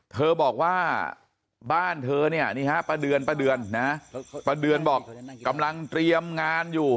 เธอบอกว่าบ้านเธอนี่นี่ฮะประเดินนะประเดินบอกกำลังเตรียมงานอยู่